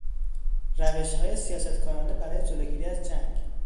روشهای سیاستکارانه برای جلوگیری از جنگ